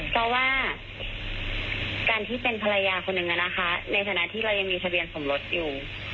เพราะว่าการที่เป็นภรรยาคนหนึ่งในฐานะที่เรายังมีทะเบียนสมรสอยู่